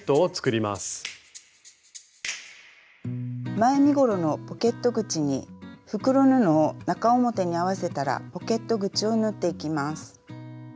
前身ごろのポケット口に袋布を中表に合わせたらポケット口を縫っていきます。